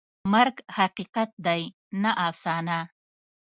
مرګ حقیقت دی، نه افسانه.